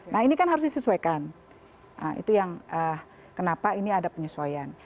nah ini kan harus disesuaikan itu yang kenapa ini ada penyesuaian